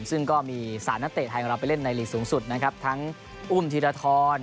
ซึ่งก็มี๓นักเตะไทยของเราไปเล่นในหลีกสูงสุดนะครับทั้งอุ้มธีรทร